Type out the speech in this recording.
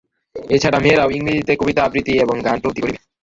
এ ছাড়া মেয়েরাও ইংরেজি কবিতা আবৃত্তি এবং গান প্রভৃতি করিবে।